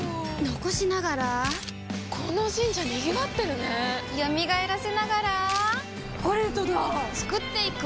残しながらこの神社賑わってるね蘇らせながらコレドだ創っていく！